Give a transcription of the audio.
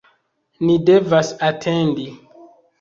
ni devas atendi!